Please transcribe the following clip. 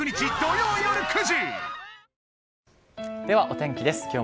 では、お天気です。